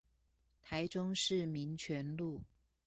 台中市民權路